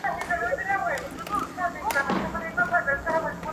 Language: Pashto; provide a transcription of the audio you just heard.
ځيني خلک موضوع عادي ګڼي او حساسيت نه لري،